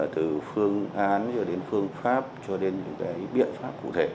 từ phương án đến phương pháp cho đến những biện pháp cụ thể